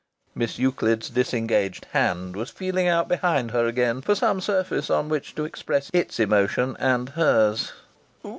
Miss Euclid's disengaged hand was feeling out behind her again for some surface upon which to express its emotion and hers.